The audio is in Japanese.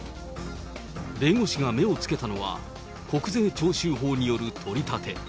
弁護士が目をつけたのは、国税徴収法による取り立て。